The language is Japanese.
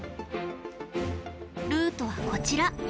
ルートはこちら。